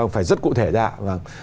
phải rất cụ thể ra